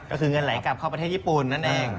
ก็คือเงินไหลกลับเข้าประเทศญี่ปุ่นนั่นเอง